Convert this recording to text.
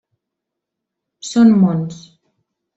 Són mons.